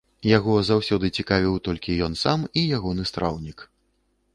Яго заўсёды цікавіў толькі ён сам і ягоны страўнік.